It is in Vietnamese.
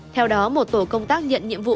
theo đó một tổ công tác nhận nhiệm vụ